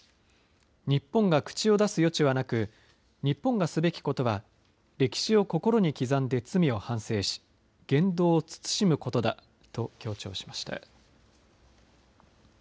日本が口を出す余地はなく日本がすべきことは歴史を心に刻んで罪を反省し言動を慎むことだと強調しました。